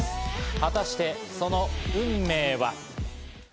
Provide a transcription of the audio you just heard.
果たして、その運命は？